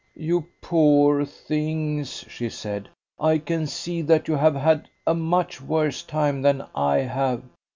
"You poor things!" she said. "I can see that you have had a much worse time than I have.